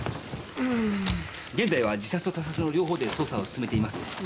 現在は自殺と他殺の両方で捜査を進めています。